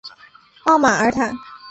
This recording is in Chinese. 奥马尔坦。